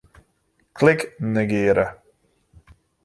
Klik Negearje.